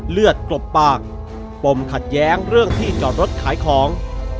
เลือดกลบปากปมขัดแย้งเรื่องที่จอดรถขายของ